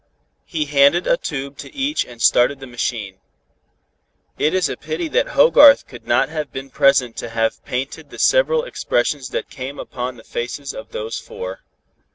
He handed a tube to each and started the machine. It is a pity that Hogarth could not have been present to have painted the several expressions that came upon the faces of those four.